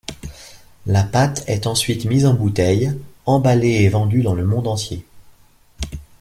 La pâte est ensuite mise en bouteille, emballée et vendue dans le monde entier.